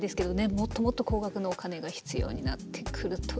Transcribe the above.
もっともっと高額のお金が必要になってくるという。